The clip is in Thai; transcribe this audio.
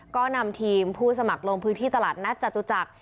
ก็นำทีมผู้สมัครลงพื้นที่ตลาดนัดจตุจักร